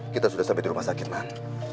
kita sudah sampe di rumah sakit mak